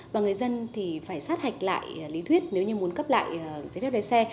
và người dân thì phải sát hạch lại lý thuyết nếu như muốn cấp lại giấy phép lái xe